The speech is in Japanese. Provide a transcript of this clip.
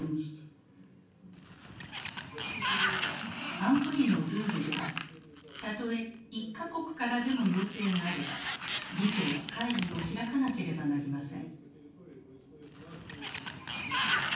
安保理のルールではたとえ１か国からでも要請があれば議長は会議を開かなければなりません。